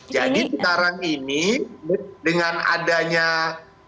jadi sekarang ini dengan adanya ketentuan